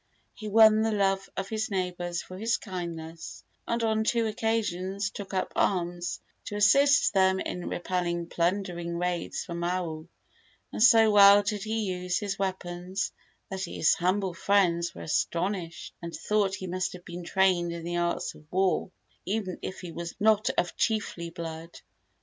He won the love of his neighbors for his kindness, and on two occasions took up arms to assist them in repelling plundering raids from Maui; and so well did he use his weapons that his humble friends were astonished, and thought he must have been trained in the arts of war, even if he was not of chiefly blood.